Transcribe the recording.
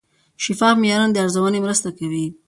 شفاف معیارونه د ارزونې مرسته کوي.